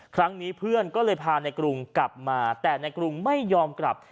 ครั้งนี้เพื่อนก็เลยพาในกรุงกลับมาแต่ในกรุงไม่ยอมกลับ